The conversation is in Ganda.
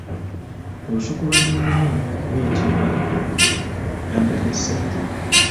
Olusuku lwa nnyinimu luyitibwa Gandalyassajja.